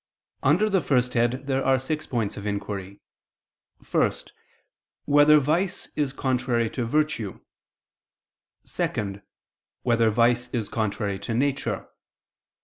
Under the first head there are six points of inquiry: (1) Whether vice is contrary to virtue? (2) Whether vice is contrary to nature?